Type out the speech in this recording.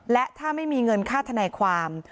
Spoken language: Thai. และถ้าไม่มีเงินค่าธนายความ